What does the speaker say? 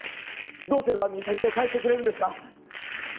どうすれば実咲を返してくれるんですか？